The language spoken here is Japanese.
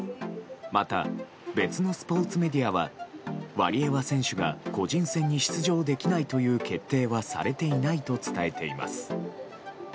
また、別のスポーツメディアはワリエワ選手が個人戦に出場できないという決定はされていないと伝えています。